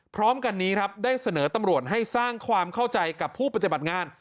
พร้อมกันนี้ครับได้เสนอตำรวจให้สร้างความเข้าใจกับผู้ปฏิบัติงาน